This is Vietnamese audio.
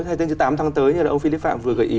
hay đến tám tháng tới như là ông philip phạm vừa gợi ý